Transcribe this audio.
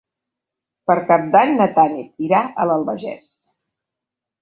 Per Cap d'Any na Tanit irà a l'Albagés.